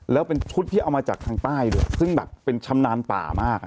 แล้วเป็นชุดที่เอามาจากทางใต้ด้วยซึ่งแบบเป็นชำนาญป่ามาก